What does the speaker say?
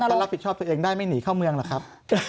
ก็รับผิดชอบตัวเองได้ไม่หนีเข้าเมืองหรอกครับ